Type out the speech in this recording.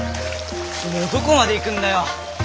どこまで行くんだよ？